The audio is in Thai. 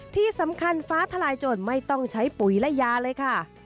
ที่สำคัญฟ้าทลายโจรไม่ต้องใช้ปุ๋ยและยาเลยค่ะ